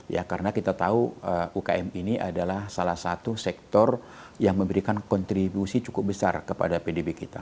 ya karena kita tahu ukm ini adalah salah satu sektor yang memberikan kontribusi cukup besar kepada pdb kita